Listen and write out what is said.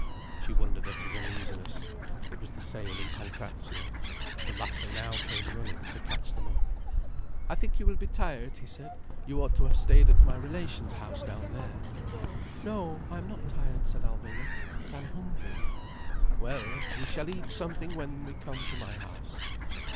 She wondered at his uneasiness. It was the same in Pancrazio. The latter now came running to catch them up. "I think you will be tired," he said. "You ought to have stayed at my relation's house down there." "No, I am not tired," said Alvina. "But I'm hungry." "Well, we shall eat something when we come to my house."